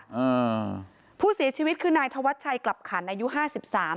อ่าผู้เสียชีวิตคือนายธวัชชัยกลับขันอายุห้าสิบสาม